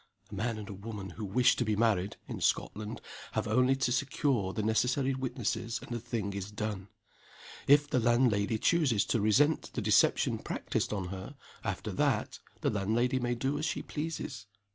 A man and a woman who wish to be married (in Scotland) have only to secure the necessary witnesses and the thing is done. If the landlady chooses to resent the deception practiced on her, after that, the landlady may do as she pleases.